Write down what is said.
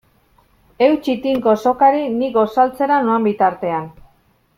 Eutsi tinko sokari ni gosaltzera noan bitartean.